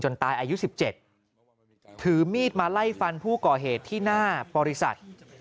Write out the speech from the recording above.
ตายอายุ๑๗ถือมีดมาไล่ฟันผู้ก่อเหตุที่หน้าบริษัท